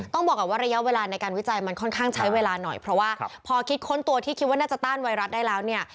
บอกก่อนว่าระยะเวลาในการวิจัยมันค่อนข้างใช้เวลาหน่อยเพราะว่าพอคิดค้นตัวที่คิดว่าน่าจะต้านไวรัสได้แล้วเนี่ย